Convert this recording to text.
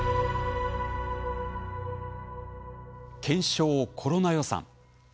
「検証コロナ予算」。